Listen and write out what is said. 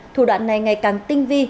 thủ đoạn này ngày càng tinh vi